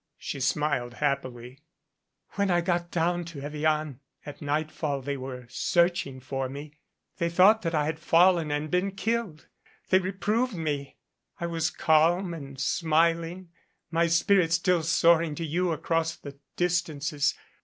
She smiled happily. "When I got down to Evian at nightfall they were searching for me. They thought that I had fallen and been killed. They reproved me. I was calm and smiling, my spirit still soaring to you across the distances.